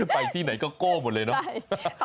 ไปที่ไหนก็โก้หมดเลยเนาะ